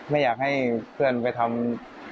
ไม่อยากให้เพื่อนไปทำ